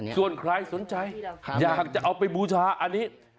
ส่วนใครสนใจอยากจะเอาไปบูชาอันนี้